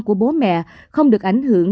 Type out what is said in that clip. của bố mẹ không được ảnh hưởng